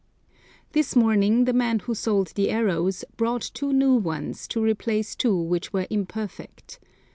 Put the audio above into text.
This morning the man who sold the arrows brought two new ones, to replace two which were imperfect.